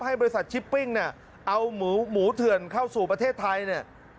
ให้บริษัทชิปปิ้งเนี่ยเอาหมูเถื่อนเข้าสู่ประเทศไทยเนี่ย